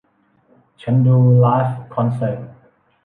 ฉันดูไลฟ์คอนเสิร์ต